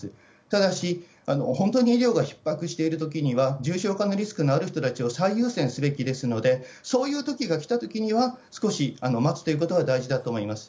ただし、本当に医療がひっ迫しているときには、重症化のリスク、のある人たちを最優先すべきですので、そういうときが来たときには、少し待つということが大事だと思います。